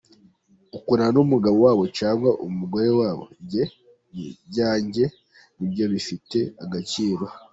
Ukundana n’umugabo wabo cyangwa umugore wabo, njye n’ibyanjye nibyo bifite agaciro.